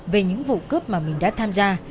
về những vụ cướp mà mình đã tham gia